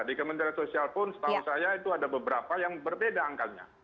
di kementerian sosial pun setahu saya itu ada beberapa yang berbeda angkanya